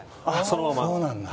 そうなんだ。